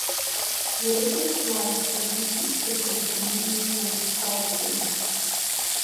Religious life was ubiquitous in medieval society.